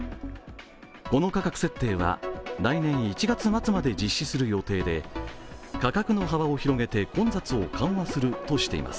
この価格設定は来年１月末まで実施する予定で価格の幅を広げて混雑を緩和するとしています。